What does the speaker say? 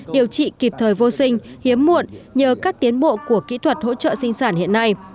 điều trị kịp thời vô sinh hiếm muộn nhờ các tiến bộ của kỹ thuật hỗ trợ sinh sản hiện nay